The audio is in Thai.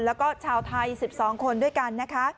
แล้วก็ชาวไทย๑๒คนด้วยกันนะคะ